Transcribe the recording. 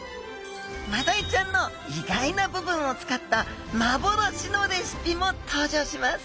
マダイちゃんの意外な部分を使った幻のレシピも登場します！